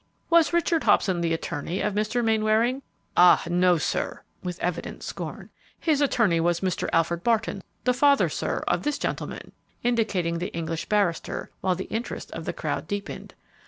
"Was Richard Hobson the attorney of Mr. Mainwaring?" "Ah, no, sir," with evident scorn; "his attorney was Mr. Alfred Barton, the father, sir, of this gentleman," indicating the English barrister, while the interest of the crowd deepened.